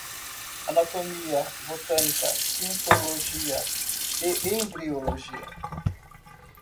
Anatomia, botânica, citologia e embriologia